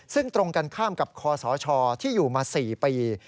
ซึ่งตรงกันข้ามกับคอสชที่อยู่มา๔ปี